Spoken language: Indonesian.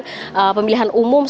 dan juga kemudian juga berkata bahwa